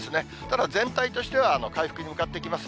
ただ、全体としては回復に向かっていきます。